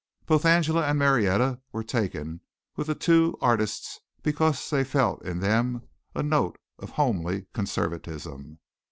Both Angela and Marietta were taken with the two artists because they felt in them a note of homely conservatism.